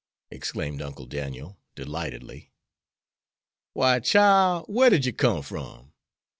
exclaimed Uncle Daniel, delightedly. "Why, chile, whar did yer come from?